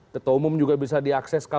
tetap umum juga bisa dipercaya